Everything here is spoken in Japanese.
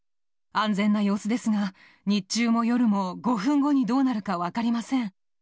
安全な様子ですが、日中も夜も５分後にどうなるか分かりません。